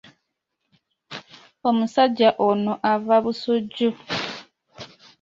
Omusajja ono ava Busujju.